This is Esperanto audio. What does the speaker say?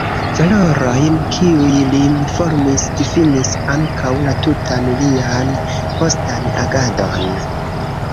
Valorojn, kiuj lin formis, difinis ankaŭ la tutan lian postan agadon.